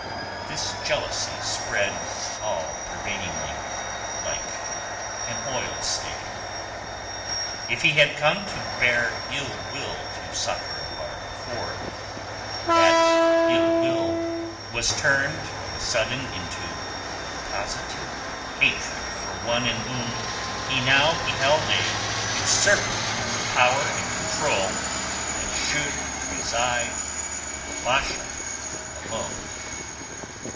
This jealousy spread all pervadingly, like an oil stain. If he had come to bear ill will to Sakr el Bahr before, that ill will was turned of a sudden into positive hatred for one in whom he now beheld a usurper of the power and control that should reside in the Basha alone.